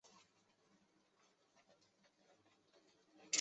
星射虫为星射虫科星射虫属的动物。